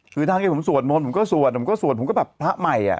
คือท่านก็ผมสวดมนต์ผมก็สวดผมก็สวดผมก็แบบพระใหม่อ่ะ